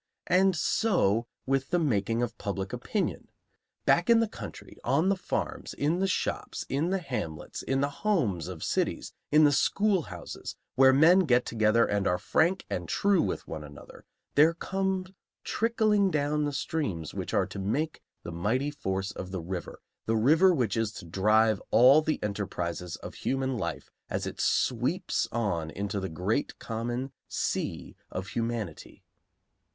And so with the making of public opinion: Back in the country, on the farms, in the shops, in the hamlets, in the homes of cities, in the schoolhouses, where men get together and are frank and true with one another, there come trickling down the streams which are to make the mighty force of the river, the river which is to drive all the enterprises of human life as it sweeps on into the great common sea of humanity.